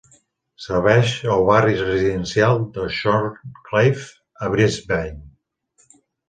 Serveix al barri residencial de Shorncliffe a Brisbane.